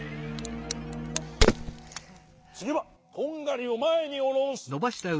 つぎはとんがりをまえにおろす。